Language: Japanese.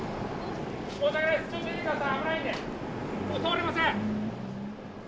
申し訳ないです、ちょっと出てください、危ないんで、もう、通れません。